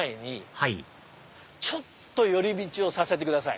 はいちょっと寄り道させてください。